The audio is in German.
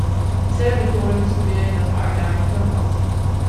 Dieselbe Methode müssen wir in der Frage der Agenturen heranziehen.